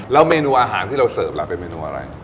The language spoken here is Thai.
แล้วเมนูอาหารที่เราเสิร์ฟล่ะเป็นเมนูอะไร